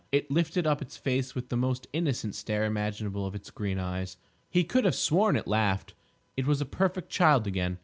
If lifted up its face with the most innocent stare imaginable of its green eyes. He could have sworn it laughed. It was a perfect child again.